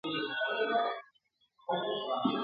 دبابا زړه يې لا شين ؤ !.